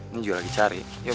ini juga lagi cari